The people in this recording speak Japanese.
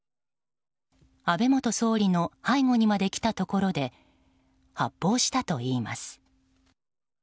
安倍元総理の背後にまで来たところで発砲したといいます。